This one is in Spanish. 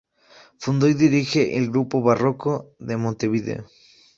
Fundó y dirige el "Grupo Barroco de Montevideo".